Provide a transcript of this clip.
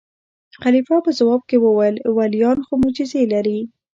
خلیفه په ځواب کې وویل: ولیان خو معجزې لري.